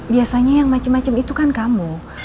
biasanya yang macem macem itu kan kamu